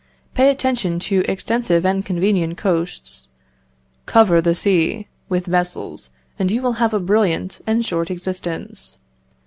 Pay attention to extensive and convenient coasts. Cover the sea with vessels, and you will have a brilliant and short existence.